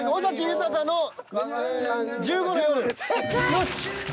よし！